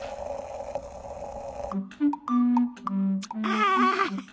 ああ。